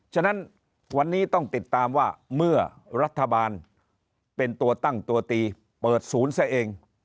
ฉะนั้นวันนี้ต้องติดตามว่าเมื่อรัฐบาลเป็นตัวตั้งตัวตีเปิดศูนย์ซะเอง